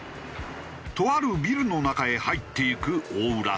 とあるビルの中へ入っていく大浦さん。